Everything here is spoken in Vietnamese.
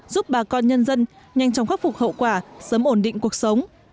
giúp bà con nhân dân nhanh chóng khắc phục hậu quả sớm ổn định cuộc sống